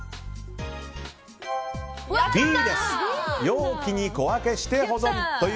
容器に小分けして保存。